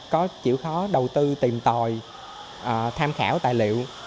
có chịu khó đầu tư tìm tòi tham khảo tài liệu